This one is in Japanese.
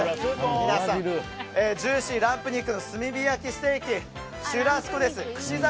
皆さん、ジューシーなランプ肉の炭火焼きステーキシュラスコです。